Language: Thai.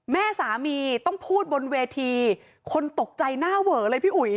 แม่สามีต้องพูดบนเวทีคนตกใจหน้าเวอเลยพี่อุ๋ย